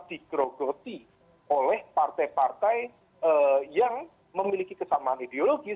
digrogoti oleh partai partai yang memiliki kesamaan ideologis